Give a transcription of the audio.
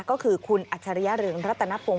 ก็คือคุณอาชริยเริงระตนปลง